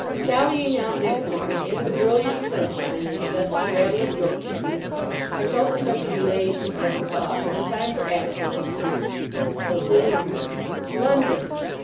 Sallying out next morning into the brilliant sunshine and the dusty rattle of York Street, I felt a sense of elation at the thought that the time for action had come. I was in London. London!